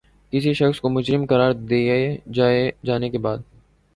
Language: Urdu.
کسی شخص کو مجرم قراد دیے جانے کے بعد